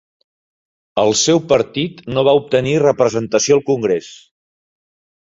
El seu partit no va obtenir representació al Congrés.